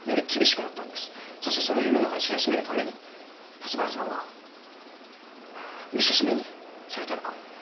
そしてそれを世の中に知らしめるために立花さんは見せしめにされたのかも。